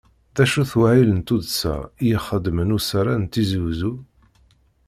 D acu-t wahil n tuddsa i ixeddem usarra n Tizi Uzzu?